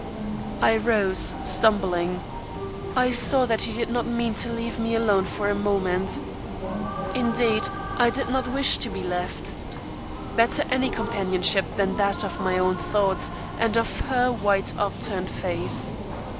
I rose, stumbling. I saw that he did not mean to leave me alone for a moment. Indeed, I did not wish to be so left. Better any companionship than that of my own thoughts and of her white upturned face.